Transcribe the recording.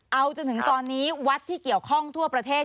เอาจนถึงตอนนี้วัดที่เกี่ยวข้องทั่วประเทศ